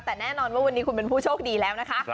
แต่แน่นอนว่าวันนี้คุณเป็นผู้โชคดีแล้วนะคะ